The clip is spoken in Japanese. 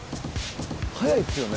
速いですよね。